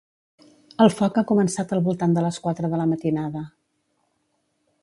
El foc ha començat al voltant de les quatre de la matinada.